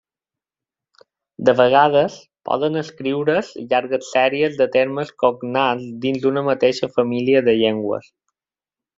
De vegades, poden escriure's llargues sèries de termes cognats dins d'una mateixa família de llengües.